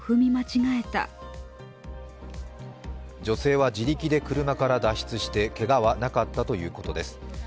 女性は自力で車から脱出してけがはなかったということです。